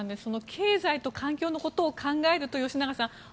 経済と環境のことを考えると、吉永さん